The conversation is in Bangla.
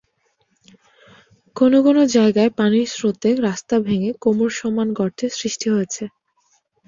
কোনো কোনো জায়গায় পানির স্রোতে রাস্তা ভেঙে কোমরসমান গর্তের সৃষ্টি হয়েছে।